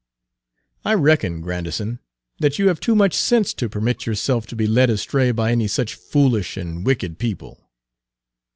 I reckon, Grandison, that you have too much sense to permit yourself to be led astray by any such foolish and wicked people."